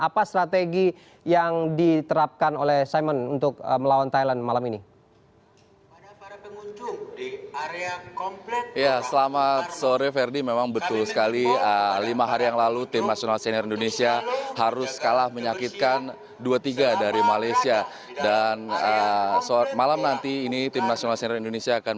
apa strategi yang diterapkan oleh simon untuk melawan thailand malam ini